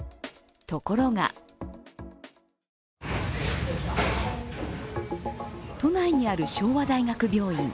ところが都内にある昭和大学病院。